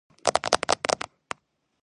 ფუნქციონირებს საამის ეთნოგრაფიული მუზეუმი.